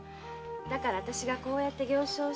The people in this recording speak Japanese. だからあたしがこうやって行商して。